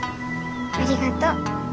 ありがとう。